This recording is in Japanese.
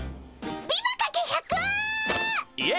ビバかけ１００っ！